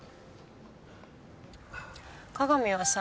加賀美はさ。